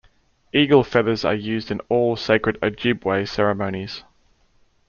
Eagle feathers are used in all sacred Ojibwe ceremonies.